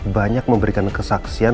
banyak memberikan kesaksian